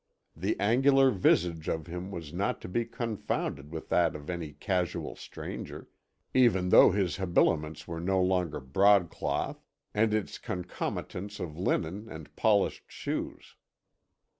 The angular visage of him was not to be confounded with that of any casual stranger, even though his habiliments were no longer broadcloth and its concomitants of linen and polished shoes.